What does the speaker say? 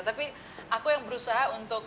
tapi aku yang berusaha untuk